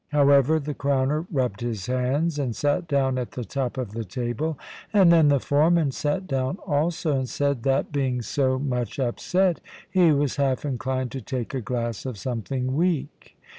However, the Crowner rubbed his hands, and sate down at the top of the table, and then the foreman sate down also, and said that, being so much upset, he was half inclined to take a glass of something weak.